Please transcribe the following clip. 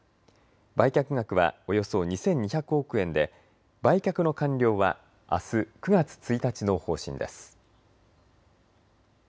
売却額はおよそ２２００億円で売却の完了はあす、９月１日の方針です。